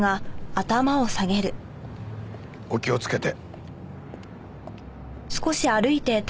お気をつけて。